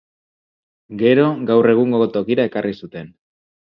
Gero, gaur egungo tokira ekarri zuten.